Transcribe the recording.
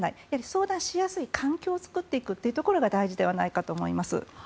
相談しやすい環境を作っていくことが大事だと思います。